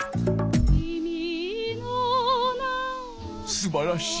すばらしい。